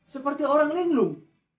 seperti orang lenglung